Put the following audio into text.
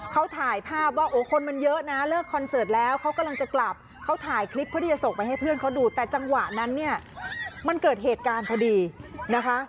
เขาถ่ายภาพว่าโอ้คนมันเยอะนะเลิกคอนเสิร์ตแล้วเขากำลังจะกลับเขาถ่ายคลิปเพื่อที่จะส่งไปให้เพื่อนเขาดูแต่จังหวะนั้นเนี่ยมันเกิดเหตุการณ์พอดีนะคะ